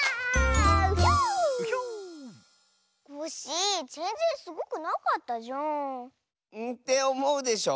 コッシーぜんぜんすごくなかったじゃん。っておもうでしょ？